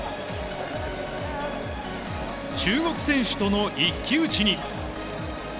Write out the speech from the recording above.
中国選手との一騎打ちに。